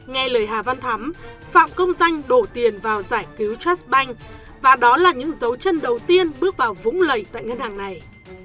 nghe lời hà văn thắm phạm công danh đổ tiền vào giải cứu chat banh và đó là những dấu chân đầu tiên bước vào vũng lầy tại ngân hàng này